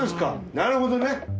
なるほどね。